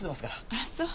ああそう。